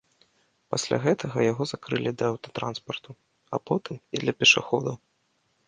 Пасля гэтага яго закрылі для аўтатранспарту, а потым і для пешаходаў.